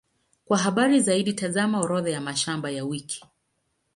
Kwa habari zaidi, tazama Orodha ya mashamba ya wiki.